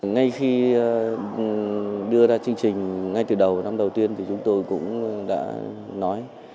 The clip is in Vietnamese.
ngay khi đưa ra chương trình ngay từ đầu năm đầu tiên thì chúng tôi cũng đã nói